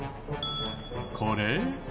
これ？